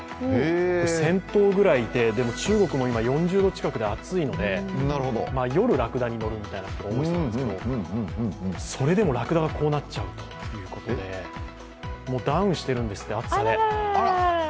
１０００頭ぐらいいてでも中国も今暑いので、夜、ラクダに乗るみたいなことらしいんですけどそれでもラクダがこうなっちゃうということで、ダウンしてるんですって暑さで。